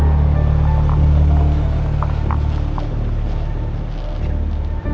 tidak ada yang bisa dihukum